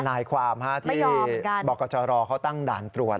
ธนายความที่บอกกับจรรย์เขาตั้งด่านตรวจ